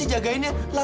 iya udah deh